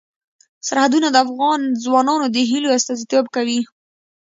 سرحدونه د افغان ځوانانو د هیلو استازیتوب کوي.